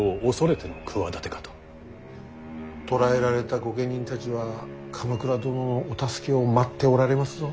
捕らえられた御家人たちは鎌倉殿のお助けを待っておられますぞ。